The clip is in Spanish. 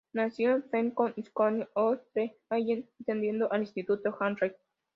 Nacido en Fenton, Stoke-on-Trent, Allen atendió al Instituto Hanley.